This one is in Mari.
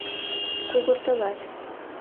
Кугыртылат.